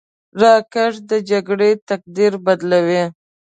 راکټ د جګړې تقدیر بدلوي